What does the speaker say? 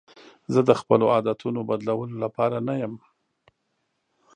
زه د خپلو عادتونو بدلولو لپاره نه یم.